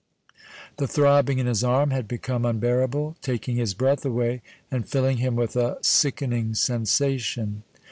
The throbbing in his arm had become unbearable, taking his breath away and filling him with a sickening sensation.